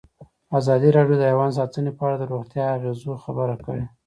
ازادي راډیو د حیوان ساتنه په اړه د روغتیایي اغېزو خبره کړې.